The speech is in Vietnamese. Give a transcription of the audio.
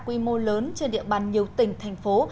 quy mô lớn trên địa bàn nhiều tỉnh thành phố